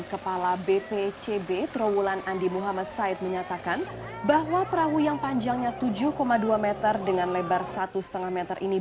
kepala bpcb trawulan andi muhammad said menyatakan bahwa perahu yang panjangnya tujuh dua meter dengan lebar satu lima meter ini